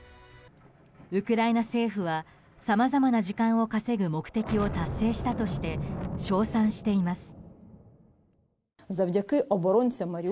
ウクライナ政府は、さまざまな時間を稼ぐ目的を達成したとして称賛しています。